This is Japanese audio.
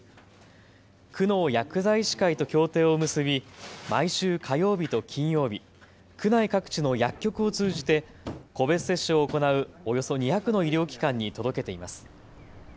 区の薬剤師会と協定を結び毎週火曜日と金曜日、区内各地の薬局を通じて個別接種を行うおよそ２００の医療機関に届けています。